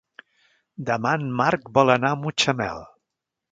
Demà en Marc vol anar a Mutxamel.